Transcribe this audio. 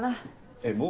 えっもう？